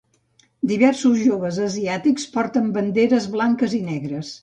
diversos joves asiàtics porten banderes blanques i negres